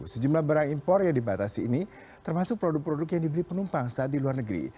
sejumlah barang impor yang dibatasi ini termasuk produk produk yang dibeli penumpang saat di luar negeri